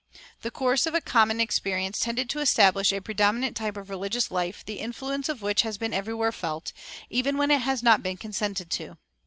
The course of a common experience tended to establish a predominant type of religious life the influence of which has been everywhere felt, even when it has not been consented to.